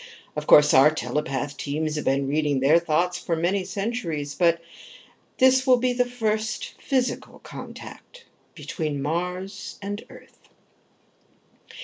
Of course our telepath teams have been reading their thoughts for many centuries, but this will be the first physical contact between Mars and Earth."